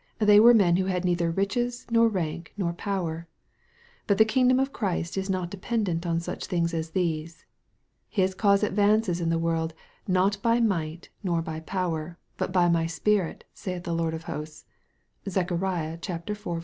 They were men who had neither riches, nor rank, nor power. But the kingdom of Christ is not dependent on such things as these. His cause advances in the world, " not by might, nor by power, but by my Spirit, saith the Lord of hosts." (Zech. iv.